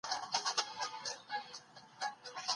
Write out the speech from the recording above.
هغه مړ ږدن ډنډ ته نږدې نه و ګڼلی.